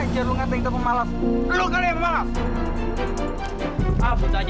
habu menjadikan lo main video itu pegawai parents